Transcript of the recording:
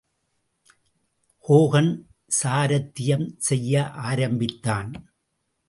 Hogan சாரத்தியம் செய்ய ஆரம்பித்தான்.